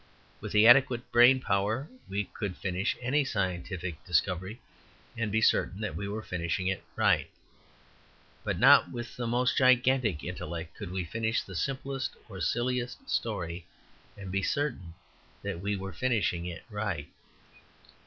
With the adequate brain power we could finish any scientific discovery, and be certain that we were finishing it right. But not with the most gigantic intellect could we finish the simplest or silliest story, and be certain that we were finishing it right.